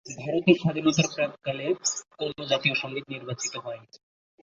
ভারতের স্বাধীনতার প্রাক্কালে কোনো জাতীয় সংগীত নির্বাচিত হয়নি।